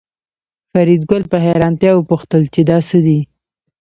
فریدګل په حیرانتیا وپوښتل چې دا څه دي